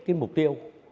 cái mục tiêu